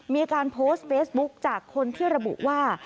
มีการโพสต์เฟซบุ๊คจากคนที่ระบุว่า